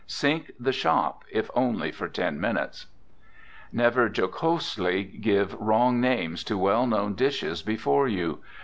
Sink the shop, if only for ten minutes. Never jocosely give wrong names to well known dishes before you.